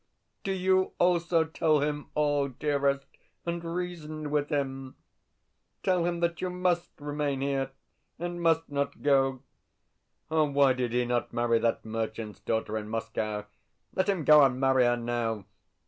Do you also tell him all, dearest, and reason with him. Tell him that you MUST remain here, and must not go. Ah, why did he not marry that merchant's daughter in Moscow? Let him go and marry her now.